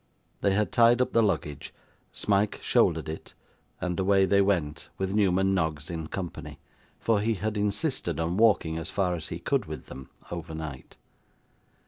They had tied up the luggage, Smike shouldered it, and away they went, with Newman Noggs in company; for he had insisted on walking as far as he could with them, overnight.